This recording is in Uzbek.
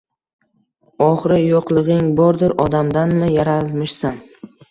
Oxiri yoʻqligʻing bordir, odamdanmi yaralmishsan?